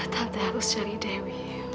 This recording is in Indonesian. tante harus cari dewi